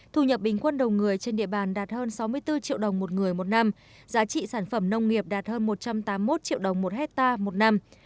thu nhập bình quân đầu người trên địa bàn đạt hơn sáu mươi bốn triệu đồng một người một năm giá trị sản phẩm nông nghiệp đạt hơn một trăm tám mươi một triệu đồng một hectare một năm